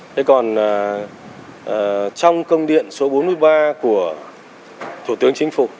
thế còn trong công điện số bốn mươi ba của thủ tướng chính phủ